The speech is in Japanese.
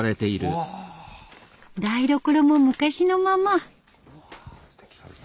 台所も昔のまま。